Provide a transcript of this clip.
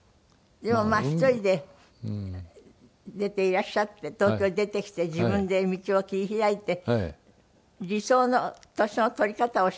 でもまあ１人で出ていらっしゃって東京へ出てきて自分で道を切り開いて理想の年の取り方をしてるとは思っていらっしゃる？